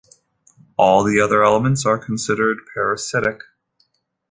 All the other elements are considered "parasitic".